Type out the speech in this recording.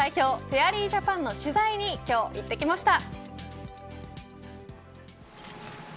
フェアリージャパンの取材に今日、行ってきました。